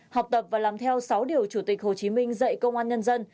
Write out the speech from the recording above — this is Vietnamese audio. học tập và làm theo sáu điều chủ tịch hồ chí minh dạy công an nhân dân